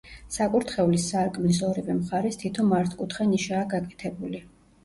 საკურთხევლის სარკმლის ორივე მხარეს თითო მართკუთხა ნიშაა გაკეთებული.